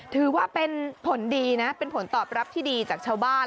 ถือว่าเป็นผลตอบรับที่ดีจากชาวบ้าน